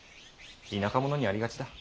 田舎者にありがちだ。